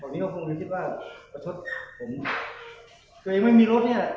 ดังนี้ก็คงคงคิดว่าเกิดไม่มีรถเนี่ย